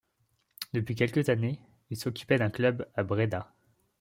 Depuis quelques années, il s'occupait d'un club à Bréda.